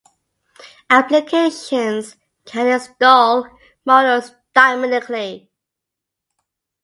Applications can install modules dynamically.